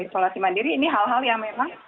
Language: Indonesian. isolasi mandiri ini hal hal yang memang